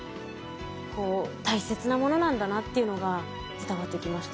こう大切なものなんだなっていうのが伝わってきました。